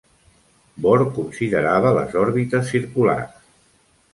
Bohr considerava les òrbites circulars.